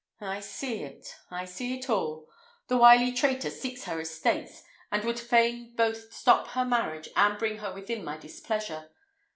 I see it; I see it all. The wily traitor seeks her estates, and would fain both stop her marriage and bring her within my displeasure.